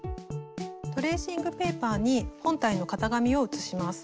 トレーシングペーパーに本体の型紙を写します。